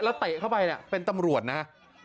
แล้วเตะเข้าไปเนี้ยเป็นตำรวจหนึ่ง